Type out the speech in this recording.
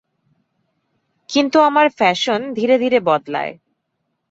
কিন্তু আমার ফ্যাশন ধীরে বদলায়।